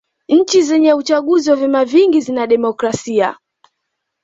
nchi zenye uchaguzi wa vyama vingi zina demokrasia